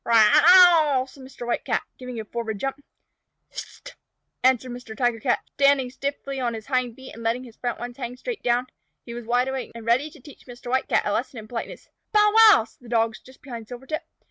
"Ra ow!" said Mr. White Cat, giving a forward jump. "Pht!" answered Mr. Tiger Cat, standing stiffly on his hind feet and letting his front ones hang straight down. He was wide awake now, and ready to teach Mr. White Cat a lesson in politeness. "Bow wow!" said the Dogs just behind Silvertip.